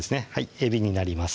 えびになります